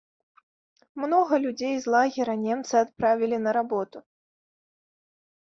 Многа людзей з лагера немцы адправілі на работу.